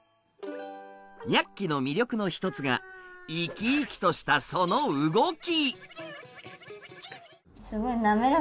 ニャッキの魅力の一つが生き生きとしたその動き！